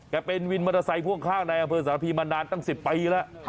เป็นวินมอเตอร์ไซค่วงข้างในอำเภอสารพีมานานตั้ง๑๐ปีแล้ว